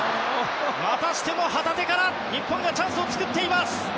またしても旗手から日本がチャンスを作っています！